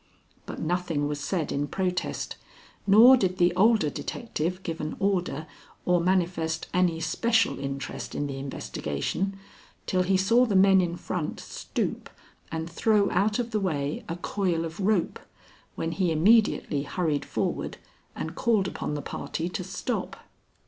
But nothing was said in protest nor did the older detective give an order or manifest any special interest in the investigation till he saw the men in front stoop and throw out of the way a coil of rope, when he immediately hurried forward and called upon the party to stop.